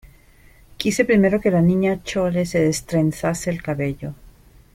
quise primero que la Niña Chole se destrenzase el cabello,